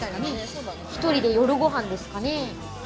１人で夜ご飯ですかね？